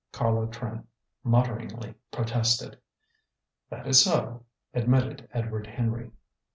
Carlo Trent mutteringly protested. "That is so," admitted Edward Henry.